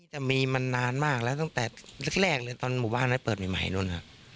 จะมีมานานมากแล้วตั้งแต่แรกเลยตอนหมู่บ้านนั้นเปิดใหม่นู่น